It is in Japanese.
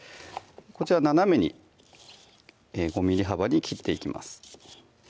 こちら斜めに５ｍｍ幅に切っていきます